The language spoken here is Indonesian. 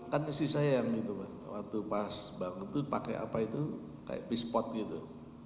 kan istri saya yang itu waktu pas bangun itu pakai apa itu kayak pispot gitu